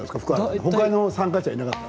他の参加者はいなかったの。